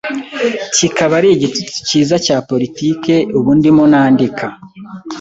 kikaba ari igitutsi cyiza cya politiki Ubu ndimo nandika